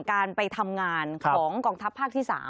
การไปทำงานของกองทัพภาคที่๓